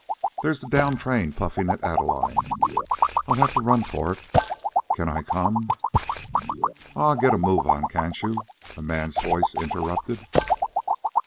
There's the down train puffin' at Adeline. I'll have to run for it. Can I come " "Aw, get a move on, can't you?" a man's voice interrupted.